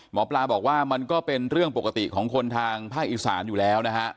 หมอปลาบอกว่ามันก็เป็นเรื่องปกติของคนทางภาคอีสานอยู่แล้วนะฮะ